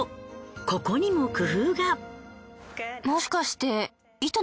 ここにも工夫が。